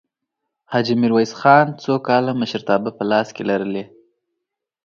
حاجي میرویس خان څو کاله مشرتابه په لاس کې لرلې؟